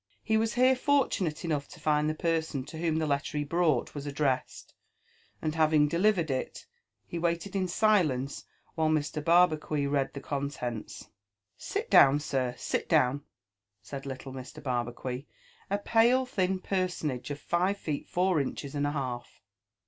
He was here fortunate enough to find the person to whom the letter he brought was addressed ; and having delivered it, he wailed in silence while Mr. Barbacuit read the contents. " Sit down, sir, sit down," said liltle Mr. Barbacuit, a pale thin personable of five feet four inches and a half.